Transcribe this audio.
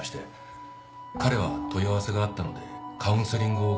彼は問い合わせがあったのでカウンセリングを行いました。